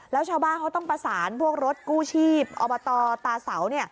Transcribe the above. แล้วชาวบ้านเขาต้องประสานพวกรถกู้ชีพอบตตาเสา